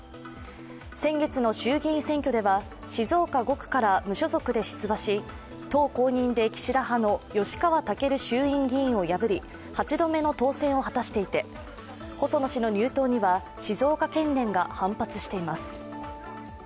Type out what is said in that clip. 先月の衆議院選挙では静岡５区から無所属で出馬し、党公認で岸田派の吉川赳衆院議員を破り８度目の当選を果たしていて細野氏の入党には静岡県連が反発しています。